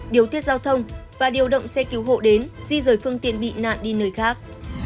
điều tiết giao thông và điều động xe cứu hộ đến di rời phương tiện bị nạn đi nơi khác